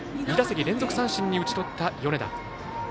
武田を２打席連続三振に打ち取った、米田。